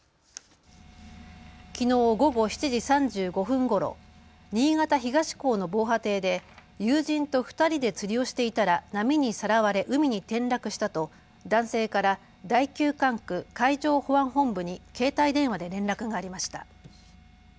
きのう午後７時３５分ごろ新潟東港の防波堤で友人と２人で釣りをしていたら波にさらわれ海に転落したと男性から第９管区海上保安本部に携帯電話で連絡がありました。